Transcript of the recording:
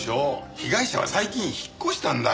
被害者は最近引っ越したんだよ。